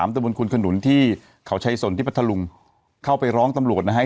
ตมคุณขนุนที่เขาชายสนที่ปรัฐลุงเข้าไปร้องตำรวจนะครับ